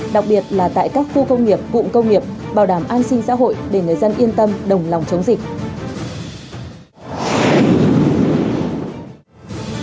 đặc biệt là tại các khu công nghiệp cụm công nghiệp bảo đảm an sinh xã hội để người dân yên tâm đồng lòng chống dịch